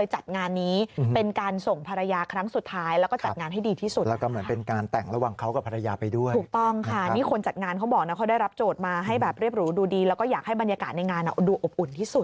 ให้เรียบรู้ดูดีแล้วก็อยากให้บรรยากาศในงานดูอบอุ่นที่สุด